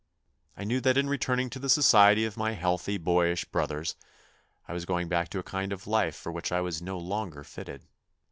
I knew that in re turning to the society of my healthy, boyish brothers, I was going back to a kind of life for which I was no longer fitted.